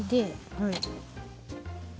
はい。